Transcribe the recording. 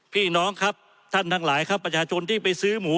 พี่น้องท่านทางหลายประชาชนที่ไปซื้อหู